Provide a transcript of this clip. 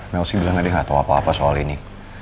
mel sih bilang aja gak tau apa apa soal ini